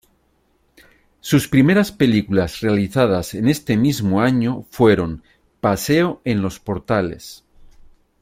Sus primeras películas realizadas en este mismo año fueron: ¨Paseo en los Portales¨.